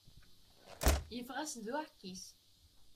Yeffeɣ-as-d d uɛkis.